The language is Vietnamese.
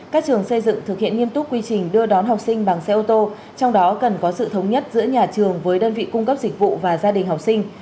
các trường xây dựng thực hiện nghiêm túc quy trình đưa đón học sinh bằng xe ô tô trong đó cần có sự thống nhất giữa nhà trường với đơn vị cung cấp dịch vụ và gia đình học sinh